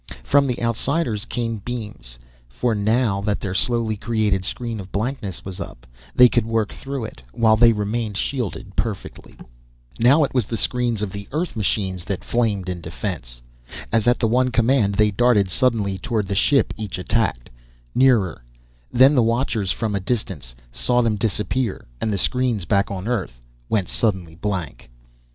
From the outsiders came beams, for now that their slowly created screen of blankness was up, they could work through it, while they remained shielded perfectly. Now it was the screens of the Earth machines that flamed in defense. As at the one command, they darted suddenly toward the ship each attacked nearer then the watchers from a distance saw them disappear, and the screens back on Earth went suddenly blank.